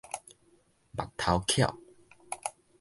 目頭巧